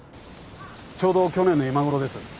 ちょうど去年の今ごろです。